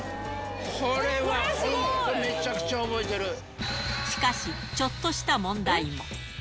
これは本当、めちゃくちゃ覚しかし、ちょっとした問題も。